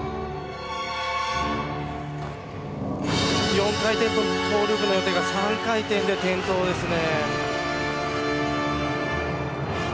４回転トーループの予定が３回転で転倒ですね。